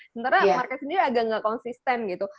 sementara marquez sendiri agak gak konsisten gitu